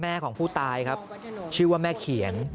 ของผู้ตายครับชื่อว่าแม่เขียน